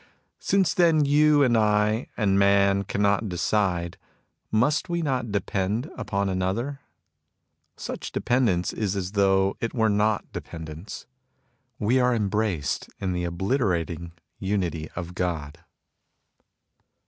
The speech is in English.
Since then you, and I, and man, cannot decide, must we not depend upon Another ? Such dependence is as though it were not dependence. We are embraced in the obliterating unity of God.